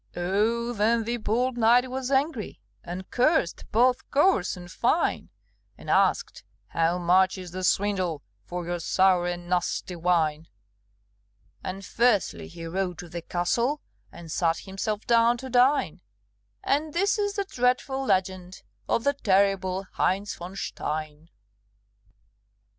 Oh, then the bold knight was angry, And cursed both coarse and fine; And asked, "How much is the swindle For your sour and nasty wine?" And fiercely he rode to the castle And sat himself down to dine; And this is the dreadful legend Of the terrible Heinz von Stein.